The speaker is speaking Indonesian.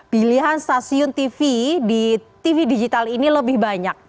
pilihan stasiun tv di tv digital ini lebih banyak